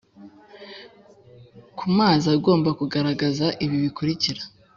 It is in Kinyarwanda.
ku mazi agomba kugaragaza ibi bikurikira: